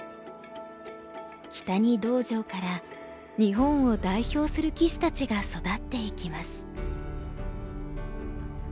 木谷道場から日本を代表する棋士たちが育っていきます。